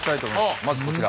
まずこちら。